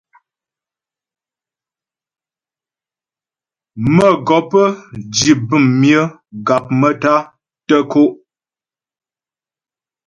Mə́gɔp di bəm myə gap maə́tá tə́ kǒ'.